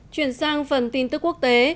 chuyển sang phần tin tức quốc tế